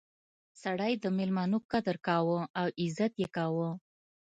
سړی د میلمنو قدر کاوه او عزت یې کاوه.